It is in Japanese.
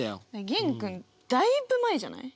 玄君だいぶ前じゃない？